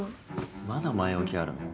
まだ前置きあるの？